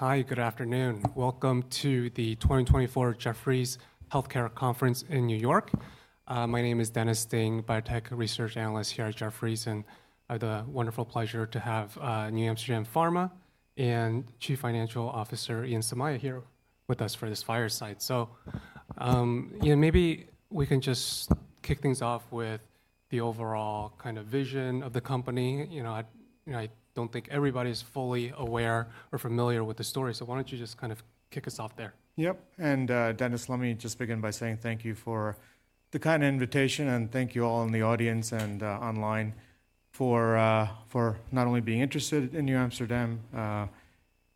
Hi, good afternoon. Welcome to the 2024 Jefferies Healthcare Conference in New York. My name is Dennis Ding, biotech research analyst here at Jefferies, and I have the wonderful pleasure to have NewAmsterdam Pharma and Chief Financial Officer, Ian Somaiya, here with us for this fireside. Ian, maybe we can just kick things off with the overall kind of vision of the company. You know, I, you know, I don't think everybody's fully aware or familiar with the story, so why don't you just kind of kick us off there? Yep, and, Dennis, let me just begin by saying thank you for the kind invitation, and thank you all in the audience and online for for not only being interested in NewAmsterdam,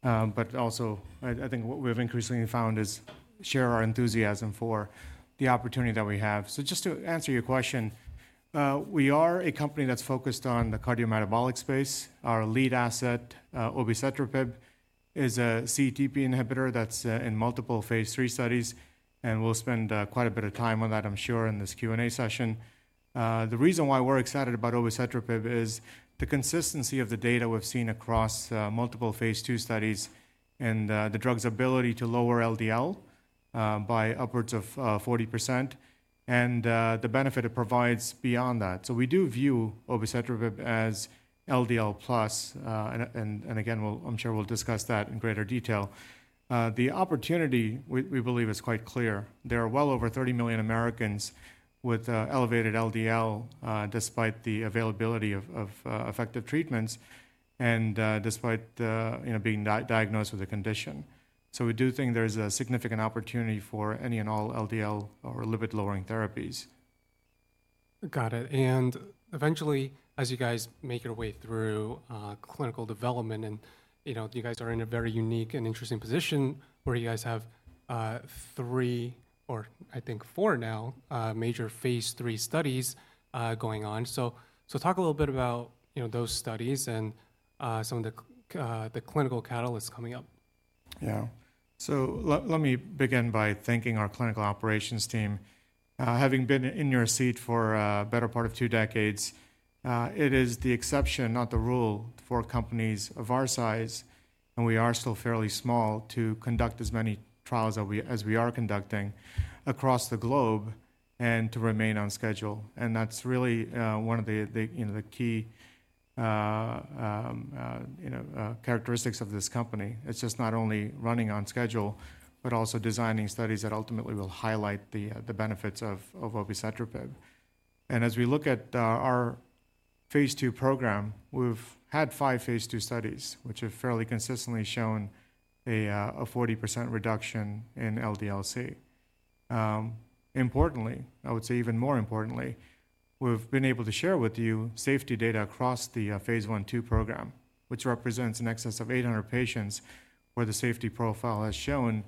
but also, I think what we've increasingly found is, share our enthusiasm for the opportunity that we have. So just to answer your question, we are a company that's focused on the cardiometabolic space. Our lead asset, obicetrapib, is a CETP inhibitor that's in multiple phase III studies, and we'll spend quite a bit of time on that, I'm sure, in this Q&A session. The reason why we're excited about obicetrapib is the consistency of the data we've seen across multiple phase II studies and the drug's ability to lower LDL by upwards of 40%, and the benefit it provides beyond that. So we do view obicetrapib as LDL plus, and again, we'll, I'm sure we'll discuss that in greater detail. The opportunity we believe is quite clear. There are well over 30 million Americans with elevated LDL despite the availability of effective treatments and despite, you know, being diagnosed with the condition. So we do think there's a significant opportunity for any and all LDL or lipid-lowering therapies. Got it. And eventually, as you guys make your way through clinical development, and, you know, you guys are in a very unique and interesting position where you guys have 3 or I think 4 now major Phase III studies going on. So talk a little bit about, you know, those studies and some of the clinical catalysts coming up. Yeah. Let me begin by thanking our clinical operations team. Having been in your seat for a better part of two decades, it is the exception, not the rule, for companies of our size, and we are still fairly small, to conduct as many trials as we are conducting across the globe and to remain on schedule. That's really one of the you know the key characteristics of this company. It's just not only running on schedule, but also designing studies that ultimately will highlight the benefits of obicetrapib. As we look at our phase II program, we've had five phase II studies, which have fairly consistently shown a 40% reduction in LDL-C. Importantly, I would say even more importantly, we've been able to share with you safety data across the phase I/II program, which represents in excess of 800 patients, where the safety profile has shown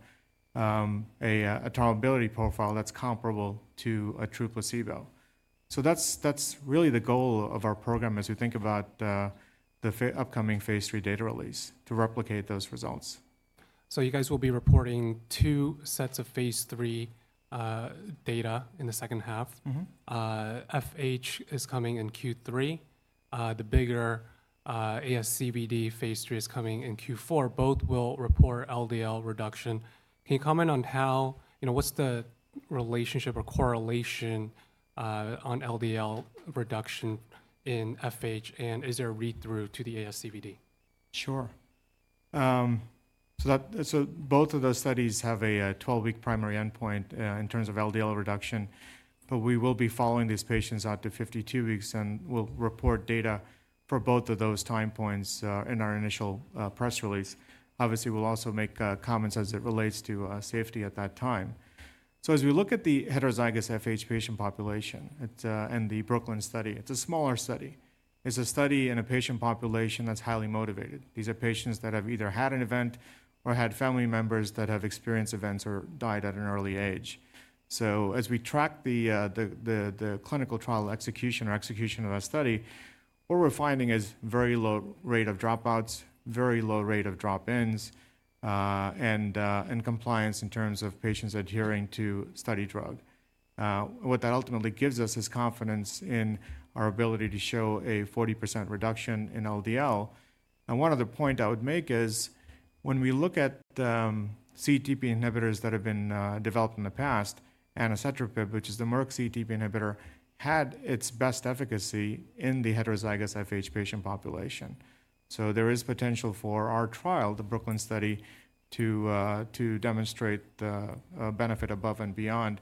a tolerability profile that's comparable to a true placebo. So that's really the goal of our program as we think about the upcoming phase III data release, to replicate those results. You guys will be reporting two sets of Phase III data in the second half. Mm-hmm. FH is coming in Q3. The bigger ASCVD Phase III is coming in Q4. Both will report LDL reduction. Can you comment on how... You know, what's the relationship or correlation on LDL reduction in FH, and is there a read-through to the ASCVD? Sure. So both of those studies have a 12-week primary endpoint in terms of LDL reduction, but we will be following these patients out to 52 weeks, and we'll report data for both of those time points in our initial press release. Obviously, we'll also make comments as it relates to safety at that time. So as we look at the heterozygous FH patient population, in the BROOKLYN study, it's a smaller study. It's a study in a patient population that's highly motivated. These are patients that have either had an event or had family members that have experienced events or died at an early age. So as we track the clinical trial execution of our study, what we're finding is very low rate of dropouts, very low rate of drop-ins, and compliance in terms of patients adhering to study drug. What that ultimately gives us is confidence in our ability to show a 40% reduction in LDL. And one other point I would make is, when we look at CETP inhibitors that have been developed in the past, anacetrapib, which is the Merck CETP inhibitor, had its best efficacy in the heterozygous FH patient population. So there is potential for our trial, the BROOKLYN study, to demonstrate the benefit above and beyond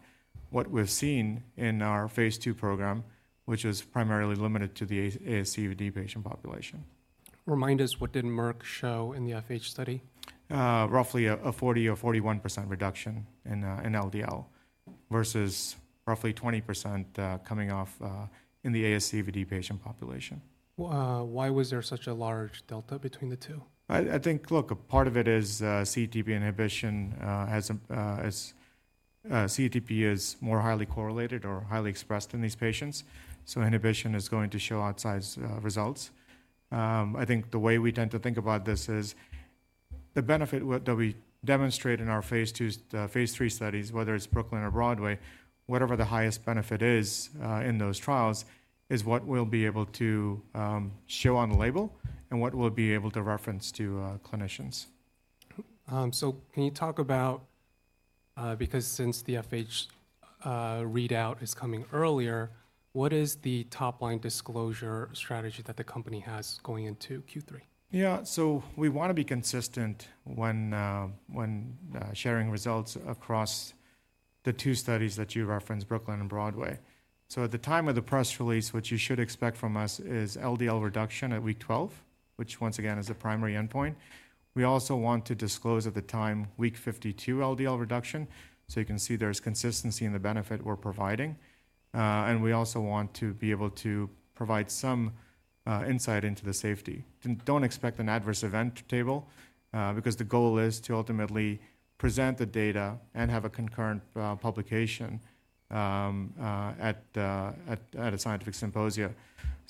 what we've seen in our phase II program, which is primarily limited to the ASCVD patient population. Remind us, what did Merck show in the FH study? Roughly a 40 or 41% reduction in LDL, versus roughly 20% coming off in the ASCVD patient population. Why, why was there such a large delta between the two? I think, look, a part of it is, CETP inhibition has, is... CETP is more highly correlated or highly expressed in these patients, so inhibition is going to show outsized results. I think the way we tend to think about this is, the benefit that we demonstrate in our Phase II, Phase III studies, whether it's BROOKLYN or BROADWAY, whatever the highest benefit is, in those trials, is what we'll be able to show on the label and what we'll be able to reference to clinicians. So, can you talk about, because since the FH readout is coming earlier, what is the top-line disclosure strategy that the company has going into Q3? Yeah, so we want to be consistent when sharing results across the two studies that you referenced, BROOKLYN and BROADWAY. So at the time of the press release, what you should expect from us is LDL reduction at week 12, which once again, is the primary endpoint. We also want to disclose at the time, week 52 LDL reduction, so you can see there's consistency in the benefit we're providing. We also want to be able to provide some insight into the safety. Don't expect an adverse event table, because the goal is to ultimately present the data and have a concurrent publication at a scientific symposia.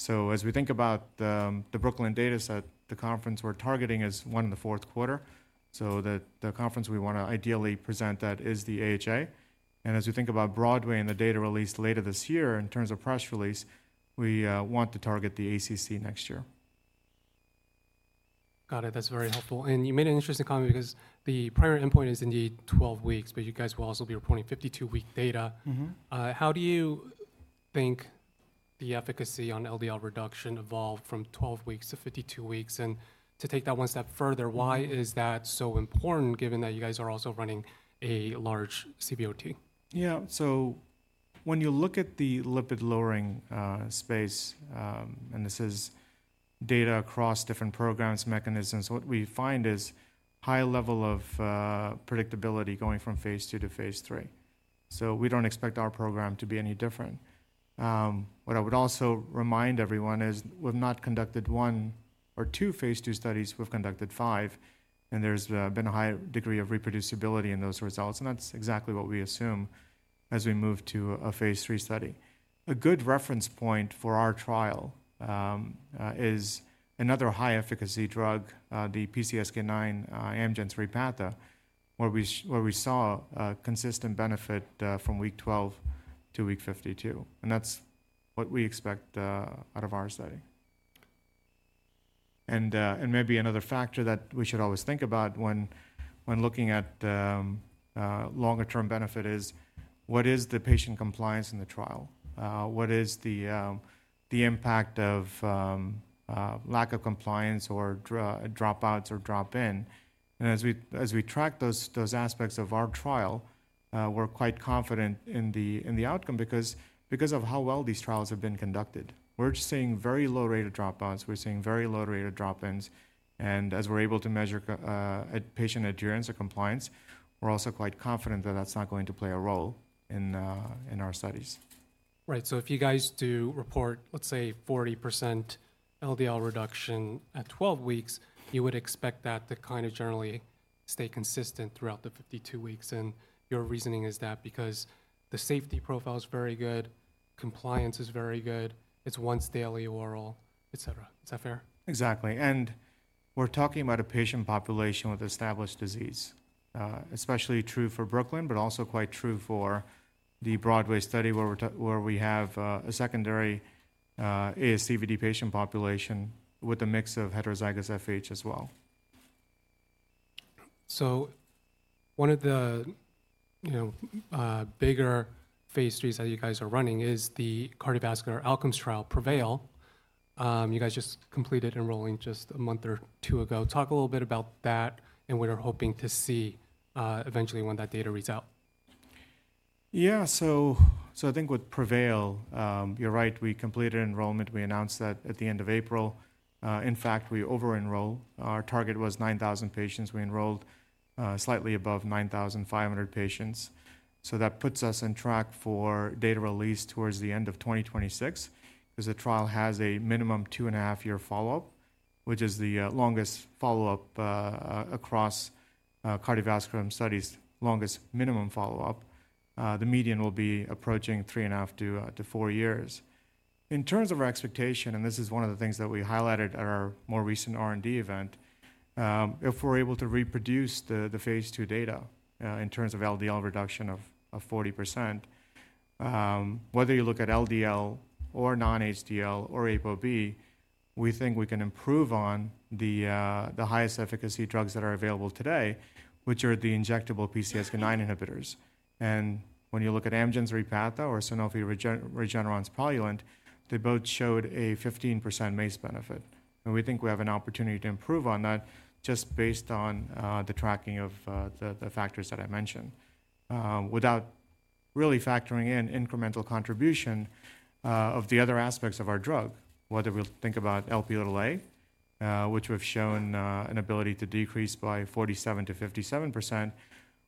As we think about the BROOKLYN data set, the conference we're targeting is one in the fourth quarter, so the conference we want to ideally present at is the AHA. As we think about BROADWAY and the data released later this year, in terms of press release, we want to target the ACC next year. Got it. That's very helpful. You made an interesting comment because the primary endpoint is indeed 12 weeks, but you guys will also be reporting 52-week data. Mm-hmm. How do you think the efficacy on LDL reduction evolved from 12 weeks to 52 weeks? And to take that one step further, why is that so important, given that you guys are also running a large CVOT? Yeah. So when you look at the lipid-lowering space, and this is data across different programs, mechanisms, what we find is high level of predictability going from phase II to phase III. So we don't expect our program to be any different. What I would also remind everyone is we've not conducted 1 or 2 phase II studies, we've conducted 5, and there's been a high degree of reproducibility in those results, and that's exactly what we assume as we move to a phase III study. A good reference point for our trial is another high-efficacy drug, the PCSK9, Amgen's Repatha, where we saw a consistent benefit from week 12 to week 52, and that's what we expect out of our study. And maybe another factor that we should always think about when looking at longer-term benefit is, what is the patient compliance in the trial? What is the impact of lack of compliance or dropouts or drop-in? And as we track those aspects of our trial, we're quite confident in the outcome because of how well these trials have been conducted. We're seeing very low rate of dropouts. We're seeing very low rate of drop-ins. And as we're able to measure patient adherence or compliance, we're also quite confident that that's not going to play a role in our studies. Right. So if you guys do report, let's say, 40% LDL reduction at 12 weeks, you would expect that to kind of generally stay consistent throughout the 52 weeks, and your reasoning is that because the safety profile is very good, compliance is very good, it's once-daily oral, et cetera. Is that fair? Exactly. And we're talking about a patient population with established disease. Especially true for BROOKLYN, but also quite true for the BROADWAY study, where we have a secondary ASCVD patient population with a mix of heterozygous FH as well. So one of the, you know, bigger Phase III studies that you guys are running is the cardiovascular outcomes trial, PREVAIL. You guys just completed enrolling just a month or two ago. Talk a little bit about that and what you're hoping to see, eventually when that data reads out. Yeah. So I think with PREVAIL, you're right, we completed enrollment. We announced that at the end of April. In fact, we over-enrolled. Our target was 9,000 patients. We enrolled slightly above 9,500 patients, so that puts us on track for data release towards the end of 2026, 'cause the trial has a minimum 2.5-year follow-up, which is the longest follow-up across cardiovascular studies, longest minimum follow-up. The median will be approaching 3.5-4 years. In terms of our expectation, and this is one of the things that we highlighted at our more recent R&D event, if we're able to reproduce the Phase II data, in terms of LDL reduction of 40%, whether you look at LDL or non-HDL or ApoB, we think we can improve on the highest efficacy drugs that are available today, which are the injectable PCSK9 inhibitors. When you look at Amgen's Repatha or Sanofi and Regeneron's Praluent, they both showed a 15% MACE benefit, and we think we have an opportunity to improve on that just based on the tracking of the factors that I mentioned, without really factoring in incremental contribution of the other aspects of our drug, whether we think about Lp(a), which we've shown an ability to decrease by 47%-57%,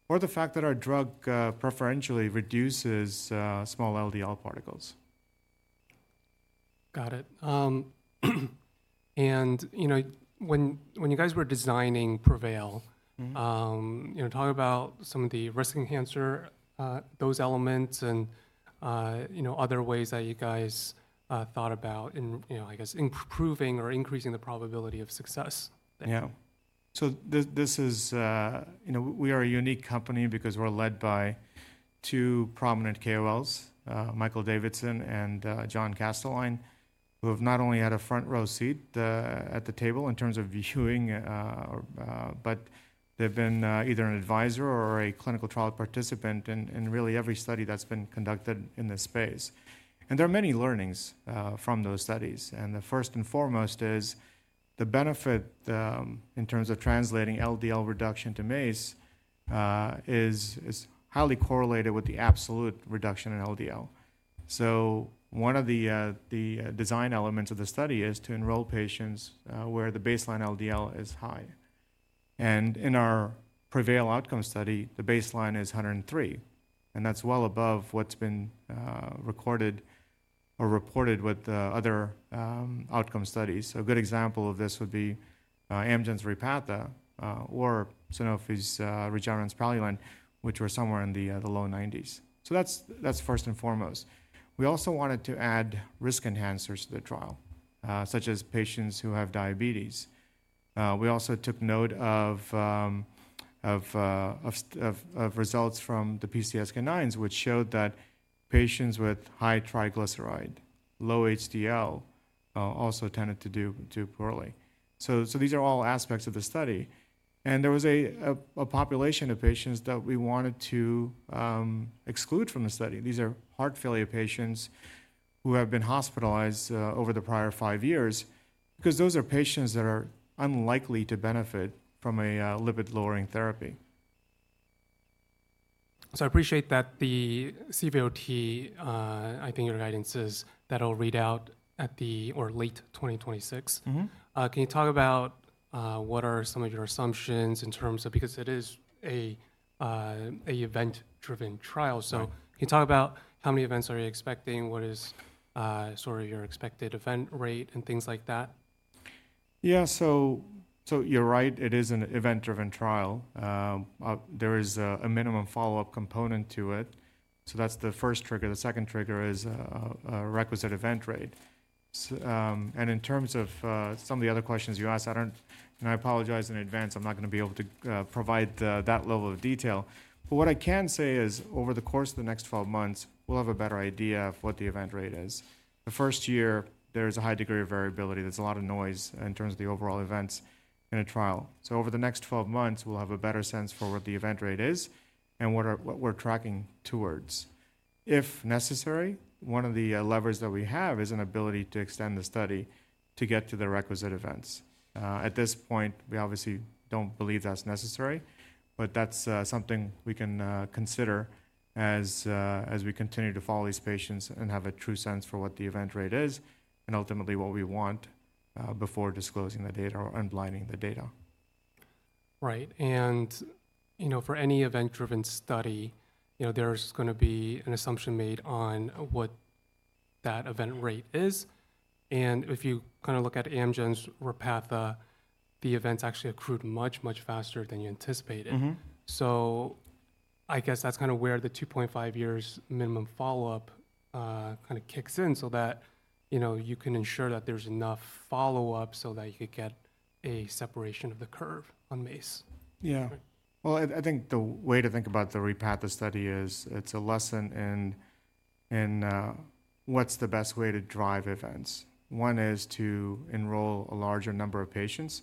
or the fact that our drug preferentially reduces small LDL particles. Got it. You know, when you guys were designing PREVAIL- Mm-hmm. you know, talk about some of the risk enhancer, those elements and, you know, other ways that you guys thought about in, you know, I guess, improving or increasing the probability of success. Yeah. So this, this is, you know, we are a unique company because we're led by two prominent KOLs, Michael Davidson and, John Kastelein, who have not only had a front-row seat at the table in terms of viewing, but they've been either an advisor or a clinical trial participant in really every study that's been conducted in this space. And there are many learnings from those studies, and the first and foremost is the benefit in terms of translating LDL reduction to MACE is highly correlated with the absolute reduction in LDL. So one of the design elements of the study is to enroll patients where the baseline LDL is high. In our PREVAIL outcome study, the baseline is 103, and that's well above what's been recorded or reported with other outcome studies. A good example of this would be Amgen's Repatha or Sanofi's Regeneron's Praluent, which were somewhere in the low 90s. So that's first and foremost. We also wanted to add risk enhancers to the trial such as patients who have diabetes. We also took note of results from the PCSK9s, which showed that patients with high triglyceride, low HDL also tended to do poorly. So these are all aspects of the study, and there was a population of patients that we wanted to exclude from the study. These are heart failure patients who have been hospitalized over the prior five years, because those are patients that are unlikely to benefit from a lipid-lowering therapy. So I appreciate that the CVOT, I think your guidance is that'll read out at the... or late 2026. Mm-hmm. Can you talk about what are some of your assumptions in terms of—because it is an event-driven trial. Right. So can you talk about how many events are you expecting? What is, sort of your expected event rate, and things like that? Yeah, so you're right, it is an event-driven trial. There is a minimum follow-up component to it, so that's the first trigger. The second trigger is a requisite event rate. And in terms of some of the other questions you asked, I don't. And I apologize in advance, I'm not gonna be able to provide that level of detail. But what I can say is, over the course of the next 12 months, we'll have a better idea of what the event rate is. The first year, there's a high degree of variability. There's a lot of noise in terms of the overall events in a trial. So over the next 12 months, we'll have a better sense for what the event rate is and what we're tracking towards. If necessary, one of the levers that we have is an ability to extend the study to get to the requisite events. At this point, we obviously don't believe that's necessary, but that's something we can consider as we continue to follow these patients and have a true sense for what the event rate is and ultimately what we want before disclosing the data or unblinding the data. Right. And, you know, for any event-driven study, you know, there's gonna be an assumption made on what that event rate is, and if you kind of look at Amgen's Repatha, the events actually accrued much, much faster than you anticipated. Mm-hmm. So I guess that's kind of where the 2.5 years minimum follow-up kind of kicks in, so that, you know, you can ensure that there's enough follow-up so that you could get a separation of the curve on MACE. Yeah. Right. Well, I think the way to think about the Repatha study is it's a lesson in what's the best way to drive events. One is to enroll a larger number of patients.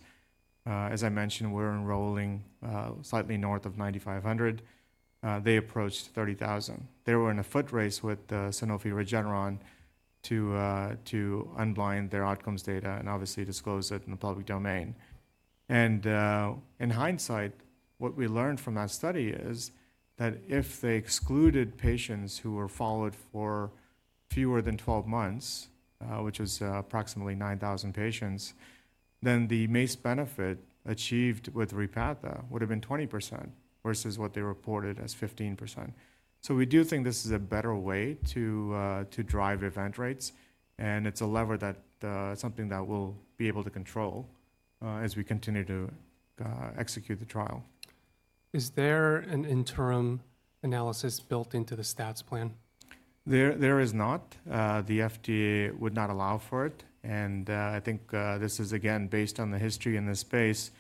As I mentioned, we're enrolling slightly north of 9,500. They approached 30,000. They were in a footrace with Sanofi-Regeneron to unblind their outcomes data and obviously disclose it in the public domain. In hindsight, what we learned from that study is that if they excluded patients who were followed for fewer than 12 months, which is approximately 9,000 patients, then the MACE benefit achieved with Repatha would have been 20% versus what they reported as 15%. So we do think this is a better way to drive event rates, and it's a lever, something that we'll be able to control as we continue to execute the trial. Is there an interim analysis built into the stats plan? There, there is not. The FDA would not allow for it, and, I think, this is, again, based on the history in this space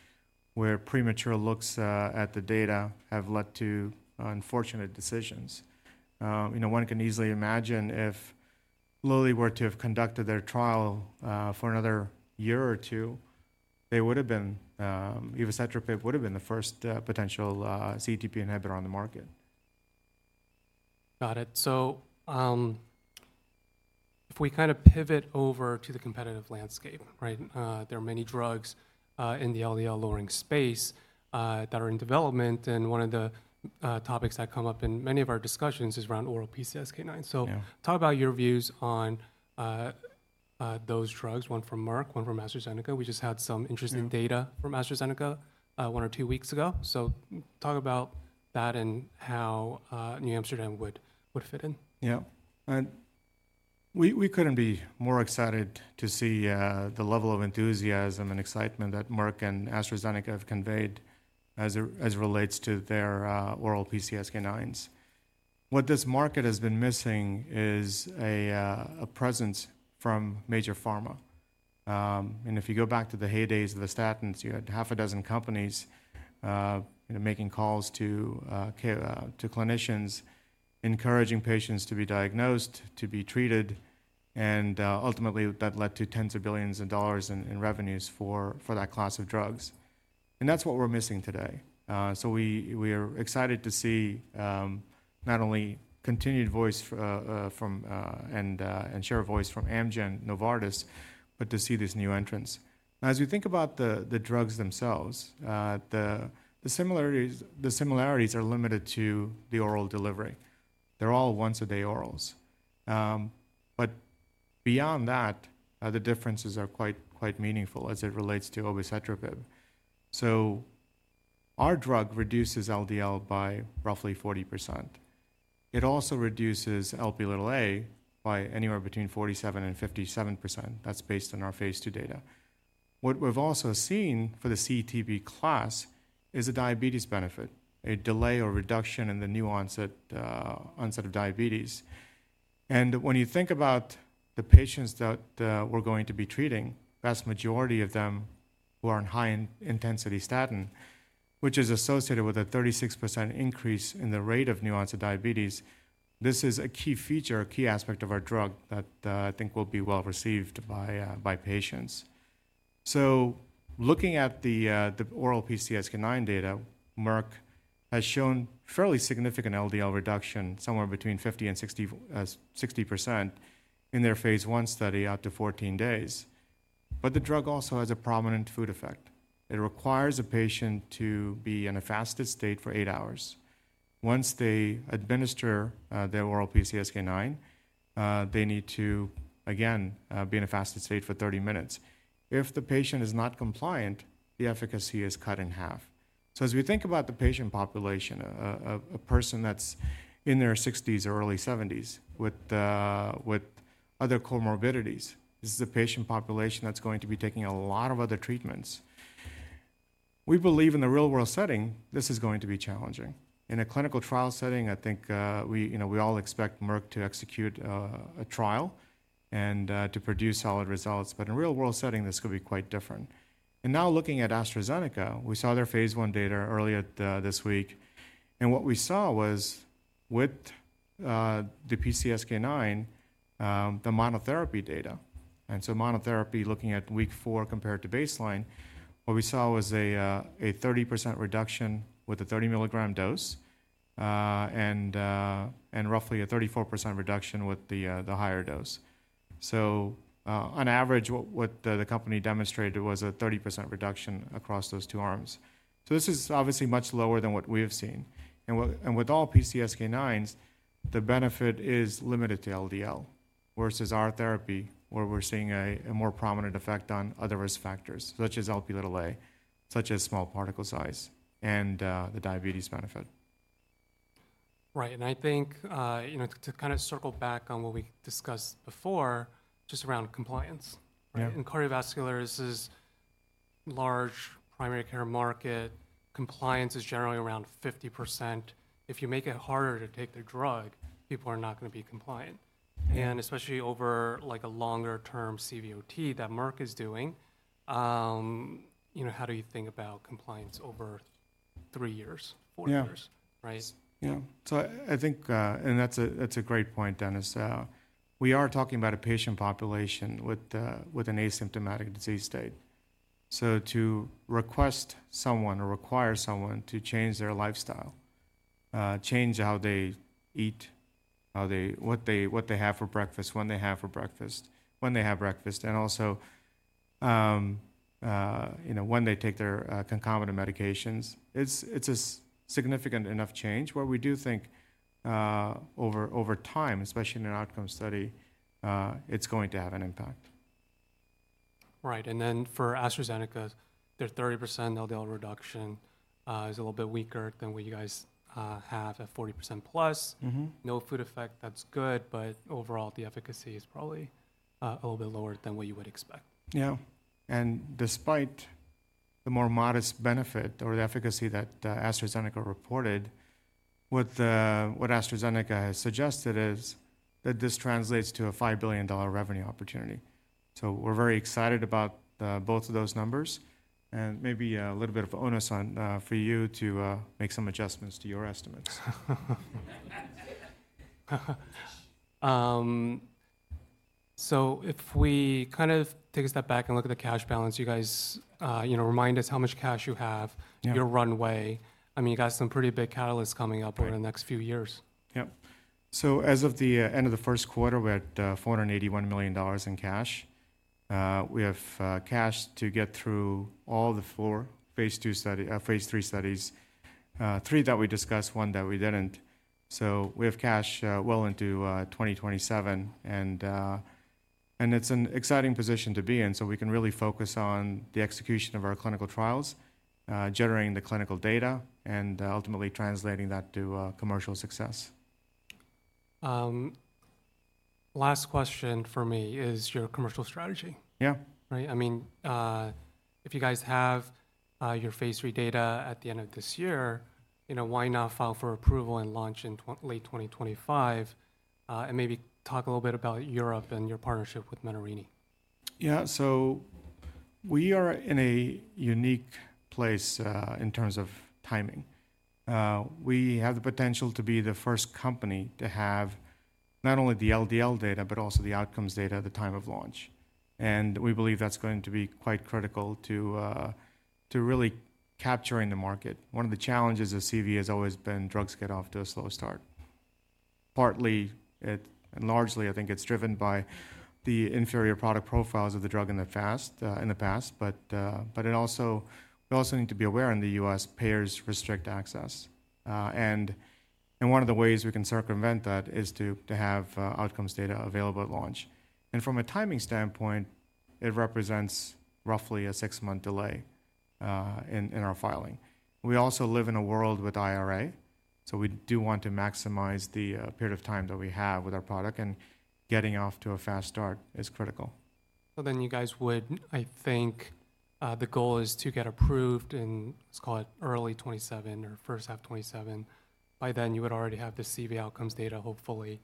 where premature looks at the data have led to unfortunate decisions. You know, one can easily imagine if Lilly were to have conducted their trial for another year or two, they would've been, evacetrapib would've been the first potential CETP inhibitor on the market. Got it. So, if we kind of pivot over to the competitive landscape, right? There are many drugs in the LDL-lowering space that are in development, and one of the topics that come up in many of our discussions is around oral PCSK9. Yeah. So talk about your views on those drugs, one from Merck, one from AstraZeneca. We just had some interesting- Yeah... data from AstraZeneca, one or two weeks ago. So talk about that and how NewAmsterdam would fit in. Yeah. And we couldn't be more excited to see the level of enthusiasm and excitement that Merck and AstraZeneca have conveyed as it relates to their oral PCSK9s. What this market has been missing is a presence from major pharma. And if you go back to the heydays of the statins, you had half a dozen companies, you know, making calls to clinicians, encouraging patients to be diagnosed, to be treated, and ultimately, that led to tens of billions of dollars in revenues for that class of drugs. And that's what we're missing today. So we are excited to see not only continued voice and share voice from Amgen, Novartis, but to see these new entrants. As you think about the drugs themselves, the similarities are limited to the oral delivery. They're all once-a-day orals. But beyond that, the differences are quite meaningful as it relates to obicetrapib. So our drug reduces LDL by roughly 40%. It also reduces Lp(a) by anywhere between 47% and 57%. That's based on our Phase II data. What we've also seen for the CETP class is a diabetes benefit, a delay or reduction in the incidence of onset of diabetes. When you think about the patients that we're going to be treating, vast majority of them who are on high-intensity statin, which is associated with a 36% increase in the rate of incidence of diabetes, this is a key feature, a key aspect of our drug that I think will be well received by by patients. So looking at the the oral PCSK9 data, Merck has shown fairly significant LDL reduction, somewhere between 50%-60% in their phase I study out to 14 days. But the drug also has a prominent food effect. It requires a patient to be in a fasted state for 8 hours. Once they administer their oral PCSK9, they need to, again, be in a fasted state for 30 minutes. If the patient is not compliant, the efficacy is cut in half. So as we think about the patient population, a person that's in their sixties or early seventies with other comorbidities, this is a patient population that's going to be taking a lot of other treatments. We believe in the real-world setting, this is going to be challenging. In a clinical trial setting, I think you know we all expect Merck to execute a trial and to produce solid results, but in real-world setting, this could be quite different. And now, looking at AstraZeneca, we saw their phase I data earlier this week, and what we saw was with the PCSK9 the monotherapy data. And so monotherapy, looking at week 4 compared to baseline, what we saw was a 30% reduction with a 30-mg dose, and roughly a 34% reduction with the higher dose. So, on average, what the company demonstrated was a 30% reduction across those two arms. So this is obviously much lower than what we have seen. And with all PCSK9s, the benefit is limited to LDL, versus our therapy, where we're seeing a more prominent effect on other risk factors, such as Lp(a), such as small particle size, and the diabetes benefit. Right. I think, you know, to kind of circle back on what we discussed before, just around compliance- Yeah. In cardiovascular, this is large primary care market. Compliance is generally around 50%. If you make it harder to take the drug, people are not gonna be compliant. Mm-hmm. Especially over, like, a longer-term CVOT that Merck is doing, you know, how do you think about compliance over three years? Yeah. 4 years, right? Yeah. So I think that's a great point, Dennis. We are talking about a patient population with an asymptomatic disease state. So to request someone or require someone to change their lifestyle, change how they eat, what they have for breakfast, when they have breakfast, and also, you know, when they take their concomitant medications, it's a significant enough change. What we do think, over time, especially in an outcome study, it's going to have an impact. Right. And then for AstraZeneca, their 30% LDL reduction is a little bit weaker than what you guys have at 40% plus. Mm-hmm. No food effect, that's good, but overall, the efficacy is probably a little bit lower than what you would expect. Yeah. And despite the more modest benefit or the efficacy that AstraZeneca reported, what, what AstraZeneca has suggested is that this translates to a $5 billion revenue opportunity. So we're very excited about both of those numbers, and maybe a little bit of onus on for you to make some adjustments to your estimates. So, if we kind of take a step back and look at the cash balance, you guys, you know, remind us how much cash you have- Yeah... your runway. I mean, you got some pretty big catalysts coming up- Right... over the next few years. Yep. So as of the end of the first quarter, we're at $481 million in cash. We have cash to get through all the four Phase II study, Phase III studies, three that we discussed, one that we didn't. So we have cash well into 2027, and it's an exciting position to be in, so we can really focus on the execution of our clinical trials, generating the clinical data, and ultimately translating that to commercial success. Last question for me is your commercial strategy? Yeah. Right? I mean, if you guys have your phase III data at the end of this year, you know, why not file for approval and launch in late 2025? And maybe talk a little bit about Europe and your partnership with Menarini. Yeah. So we are in a unique place in terms of timing. We have the potential to be the first company to have not only the LDL data, but also the outcomes data at the time of launch. And we believe that's going to be quite critical to really capturing the market. One of the challenges of CV has always been drugs get off to a slow start. Partly, it and largely, I think it's driven by the inferior product profiles of the drug in the fast in the past, but it also... We also need to be aware in the U.S., payers restrict access. And one of the ways we can circumvent that is to have outcomes data available at launch. And from a timing standpoint, it represents roughly a 6-month delay in our filing. We also live in a world with IRA, so we do want to maximize the period of time that we have with our product, and getting off to a fast start is critical. So then you guys would, I think, the goal is to get approved in, let's call it early 2027 or first half 2027. By then, you would already have the CV outcomes data, hopefully,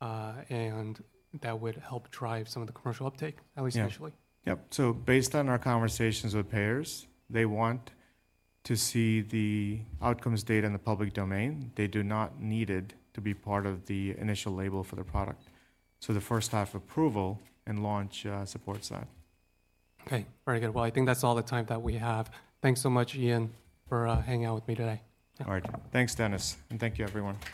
and that would help drive some of the commercial uptake, at least initially. Yeah. Yep. So based on our conversations with payers, they want to see the outcomes data in the public domain. They do not need it to be part of the initial label for the product. So the first half approval and launch supports that. Okay, very good. Well, I think that's all the time that we have. Thanks so much, Ian, for hanging out with me today. All right. Thanks, Dennis, and thank you, everyone.